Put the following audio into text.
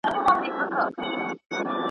تېرول چي مي کلونه هغه نه یم .